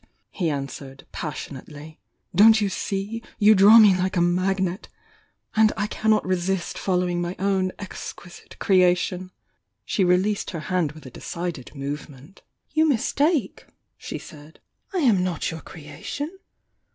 he answered, passionately. "Don't you see? You draw me like a magnet! — and I cannot resist following my own exquisite crea tion!" ,, She released her hand with a decided movement. "You mistake!" she said— "I am not your crea tion.